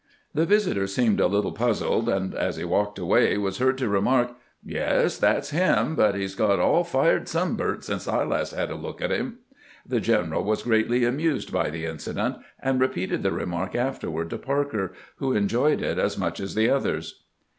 The visitor seemed a little puzzled, and as he walked away was heard to remark: "Yes, that 's him; but he 's got all fired sunburnt since I last had a look at him." The general was greatly amused by the incident, and re peated the remark afterward to Parker, who enjoyed it as much as the others.